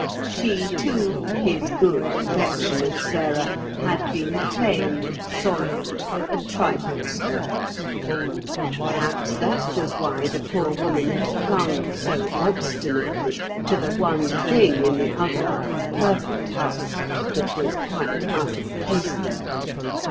She too, his good, affectionate Sara, had been plain, solid, a trifle squat. Perhaps that was why the poor woman had clung so obstinately to the one thing in the otherwise perfect house that was quite out of place there.